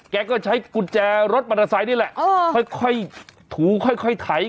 แกก็ใช้กุญแจรถมันสายนี่แหละเออค่อยค่อยถูค่อยค่อยไถ